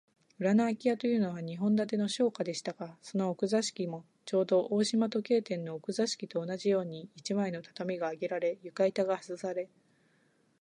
裏のあき家というのは、日本建ての商家でしたが、その奥座敷でも、ちょうど大鳥時計店の奥座敷と同じように、一枚の畳があげられ、床板がはずされ、